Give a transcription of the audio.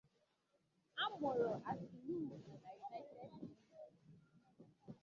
A mụrụ Asinugo na United Kingdom.